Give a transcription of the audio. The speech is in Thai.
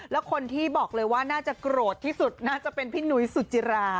แล้วคนที่บอกเลยว่าน่าจะโกรธที่สุดน่าจะเป็นพี่หนุ้ยสุจิรา